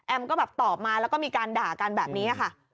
ก็แบบตอบมาแล้วก็มีการด่ากันแบบนี้ค่ะ